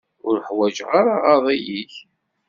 Ur ḥwaǧeɣ ara aɣaḍi-ik.